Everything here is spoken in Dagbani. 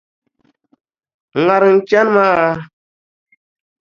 N ŋariŋ n chani maa!”.